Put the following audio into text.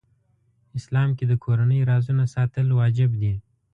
اسلام کې د کورنۍ رازونه ساتل واجب دي .